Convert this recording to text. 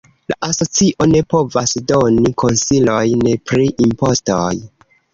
La asocio ne povas doni konsilojn pri impostoj.